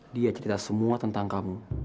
dia cerita semua tentang kamu